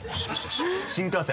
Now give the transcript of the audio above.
新幹線？